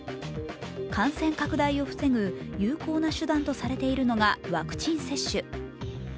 感染拡大を防ぐ有効な手段とされているのがワクチン接種。